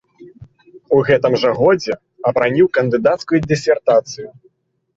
У гэтым жа годзе абараніў кандыдацкую дысертацыю.